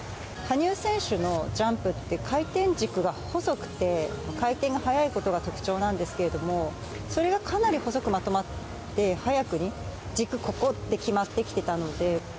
羽生選手のジャンプって、回転軸が細くて、回転が速いことが特徴なんですけれども、それがかなり細くまとまって、早くに軸、ここって決まってきてたので。